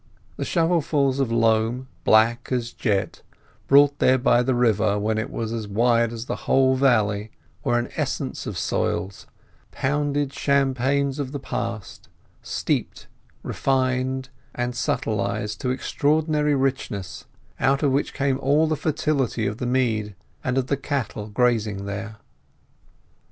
The shovelfuls of loam, black as jet, brought there by the river when it was as wide as the whole valley, were an essence of soils, pounded champaigns of the past, steeped, refined, and subtilized to extraordinary richness, out of which came all the fertility of the mead, and of the cattle grazing there.